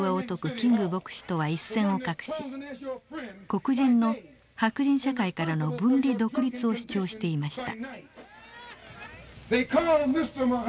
キング牧師とは一線を画し黒人の白人社会からの分離独立を主張していました。